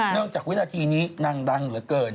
เนื่องจากวิธีนี้นางดังเหลือเกิน